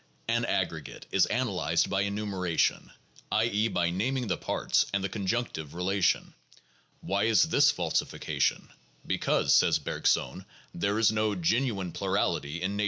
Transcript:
An aggregate is analyzed by enumeration, i. e., by naming the parts and the conjunctive relation. Why is this falsification? Be cause, says Bergson, there is no genuine plurality in nature itself, 12 See Cosentini, in Eevue Int.